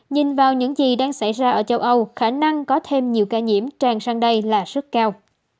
nhìn vào những gì đang xảy ra ở châu âu khả năng có thêm nhiều ca nhiễm tràn sang đây là rất cao